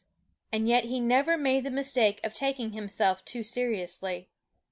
And yet he never made the mistake of taking himself too seriously.